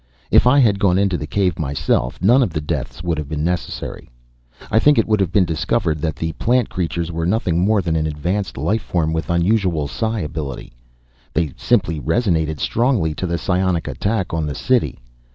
If I had gone into the cave myself none of the deaths would have been necessary. I think it would have been discovered that the plant creatures were nothing more than an advanced life form with unusual psi ability. They simply resonated strongly to the psionic attack on the city.